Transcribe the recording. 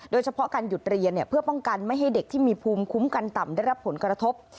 โดยเฉพาะการหยุดเรียนเพื่อป้องกันไม่ให้เด็กที่มีภูมิคุ้มกันต่ำได้รับผลกระทบ